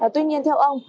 tuy nhiên theo ông